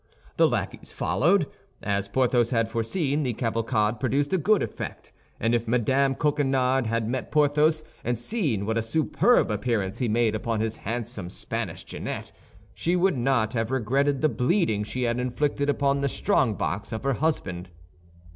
The lackeys followed. As Porthos had foreseen, the cavalcade produced a good effect; and if Mme. Coquenard had met Porthos and seen what a superb appearance he made upon his handsome Spanish genet, she would not have regretted the bleeding she had inflicted upon the strongbox of her husband.